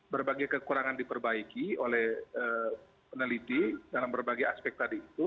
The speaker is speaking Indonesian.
berbagai kekurangan diperbaiki oleh peneliti dalam berbagai aspek tadi itu